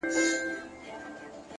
هره هڅه د بریا تخم کرل دي.!